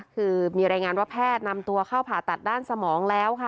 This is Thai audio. คือมีรายงานว่าแพทย์นำตัวเข้าผ่าตัดด้านสมองแล้วค่ะ